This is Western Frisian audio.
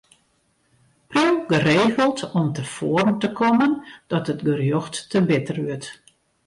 Priuw geregeld om te foaren te kommen dat it gerjocht te bitter wurdt.